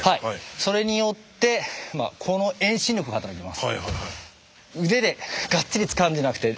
それによってこの遠心力が働きます。